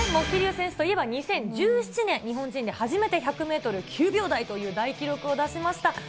桐生選手といえば２０１１年、日本人で初めて１００メートル９秒台という大記録を出しました。